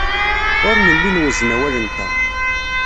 Ur nelli nwezzen awal-nteɣ.